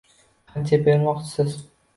Qancha bermoqchisiz